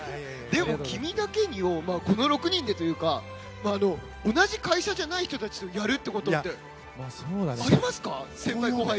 「君だけに」をこの６人でというか同じ会社じゃない人たちとやるということってありますか？